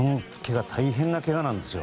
大変なけがなんですよ。